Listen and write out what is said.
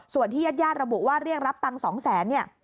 ส่วนที่ญาติระบุว่าเรียกรับตังค์๒๐๐๐๐๐เนี่ย